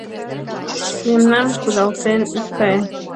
Мемнам кудалтен ит кае!